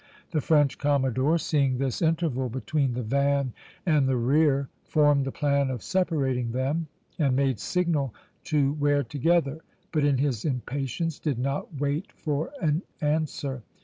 The French commodore, seeing this interval between the van and the rear, formed the plan of separating them, and made signal to wear together, but in his impatience did not wait for an answer.